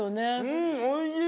うんおいしい！